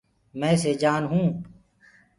مي سيجآن هونٚ۔